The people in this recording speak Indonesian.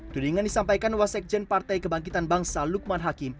tudingan disampaikan wasekjen partai kebangkitan bangsa lukman hakim